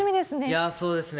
いや、そうですね。